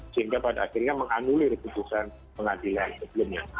sehingga pada akhirnya menganulir putusan pengadilan sebelumnya